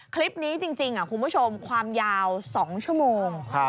คลิปนี้จริงคุณผู้ชมความยาว๒ชั่วโมง